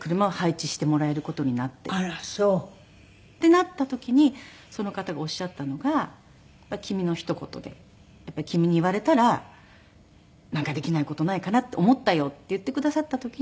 なった時にその方がおっしゃったのが「君のひと言でやっぱり君に言われたらなんかできない事ないかなって思ったよ」って言ってくださった時に。